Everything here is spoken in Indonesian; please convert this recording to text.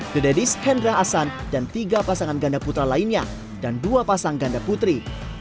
the daddies hendra ahsan dan tiga pasangan ganda putra lainnya dan dua pasang ganda putri